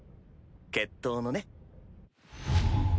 決闘のね。